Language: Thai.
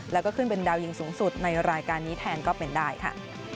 แล้วก็ขึ้นเป็นดาวยิงสูงสุดในรายการนี้แทนก็เป็นได้ค่ะ